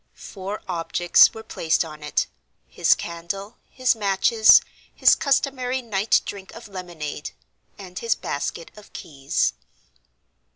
Four objects were placed on it; his candle, his matches, his customary night drink of lemonade, and his basket of keys.